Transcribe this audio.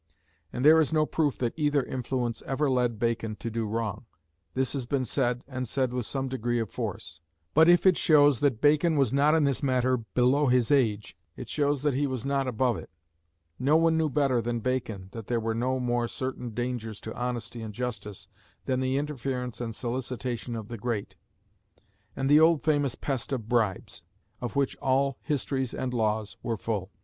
And there is no proof that either influence ever led Bacon to do wrong. This has been said, and said with some degree of force. But if it shows that Bacon was not in this matter below his age, it shows that he was not above it. No one knew better than Bacon that there were no more certain dangers to honesty and justice than the interference and solicitation of the great, and the old famous pest of bribes, of which all histories and laws were full.